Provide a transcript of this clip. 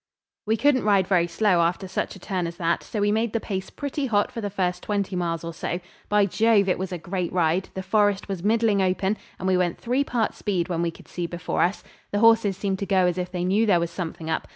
We couldn't ride very slow after such a turn as that, so we made the pace pretty hot for the first twenty miles or so. By Jove! it was a great ride; the forest was middling open, and we went three parts speed when we could see before us. The horses seemed to go as if they knew there was something up.